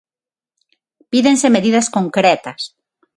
Pídense medidas concretas.